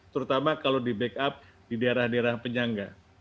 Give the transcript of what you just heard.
terutama kalau di backup di daerah daerah penyangga